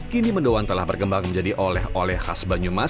kini mendoan telah berkembang menjadi oleh oleh khas banyumas